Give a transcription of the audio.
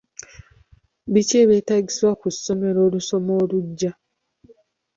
Biki ebyetaagisibwa ku ssomero olusoma olujja?